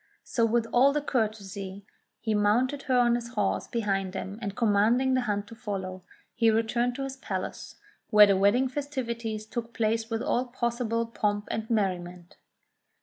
So, with all courtesy, he mounted her on his horse behind him, and commanding the hunt to follow, he returned to his palace, where the wedding festivities took place with all possible pomp and merriment.